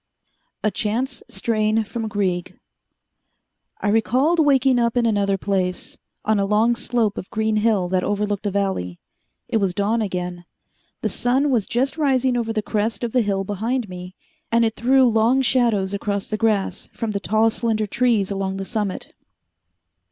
A Chance Strain from Grieg I recalled waking up in another place, on a long slope of green hill that overlooked a valley. It was dawn again. The sun was just rising over the crest of the hill behind me, and it threw long shadows across the grass from the tall, slender trees along the summit.